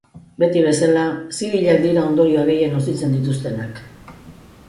Beti bezela, zibilak dira ondorioak gehien nozitzen dituztenak.